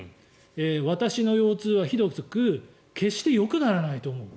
私の腰痛はひどく決してよくならないと思う。